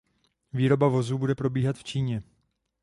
Výroba vozů bude probíhat v Číně.